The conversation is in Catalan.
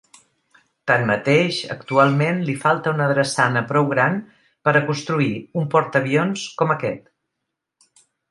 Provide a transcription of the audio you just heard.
Tanmateix, actualment li falta una drassana prou gran per a construir un portaavions com aquest.